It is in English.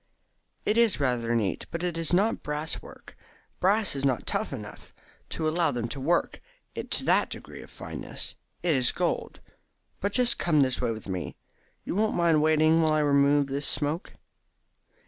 "It is rather neat. But it is not brass work. Brass is not tough enough to allow them to work it to that degree of fineness. It is gold. But just come this way with me. You won't mind waiting while I remove this smoke?"